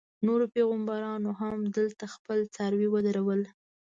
نورو پیغمبرانو هم دلته خپل څاروي ودرول.